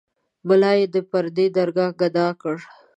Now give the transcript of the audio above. ملا یې د پردي درګاه ګدا کړ.